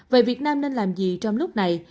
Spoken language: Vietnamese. vậy việt nam nên làm gì trong lúc này